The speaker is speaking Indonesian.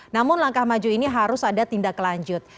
namun langkah maju ini harus ada tindak lanjut